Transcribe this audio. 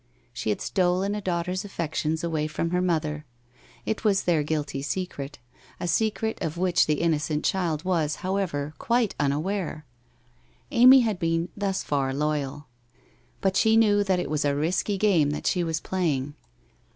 She had stolen a daugh ter's affections away from her mother; it was their guilty WHITE ROSE OF WEARY LEAF 67 secret, a secret of which the innocent child was, however, quite unaware. Amy had been thus far loyal. But she knew that it was a risky game that she was playing.